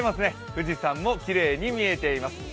富士山もきれいに見えています。